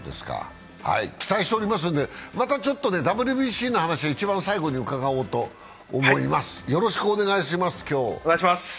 期待しておりますので、またちょっとＷＢＣの話は一番最後に伺おうと思います。